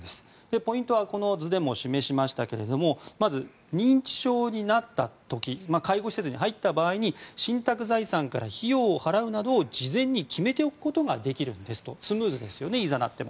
ポイントはこの図でも示しましたがまず、認知症になった時介護施設に入った場合に信託財産から費用を払うなど事前に決めておくことができるんですとスムーズですよねいざ、なっても。